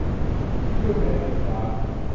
คลื่นแม่เหล็กไฟฟ้า